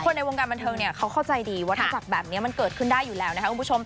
คนในวงการบรรเทิงเขาเข้าใจดีว่าถ้าจัดแบบนี้มันเกิดขึ้นได้อยู่แล้วนะคะคุณผู้ชม